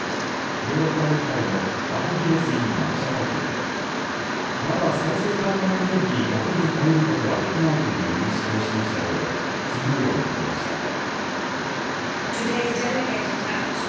ヨーロッパ委員会のマクギネス委員は記者会見で、まだ再生可能エネルギーだけに頼ることはできないという認識を示したうえで、次のように述べました。